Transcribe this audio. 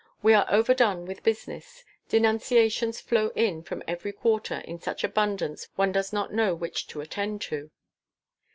We are overdone with business; denunciations flow in from every quarter in such abundance one does not know which to attend to."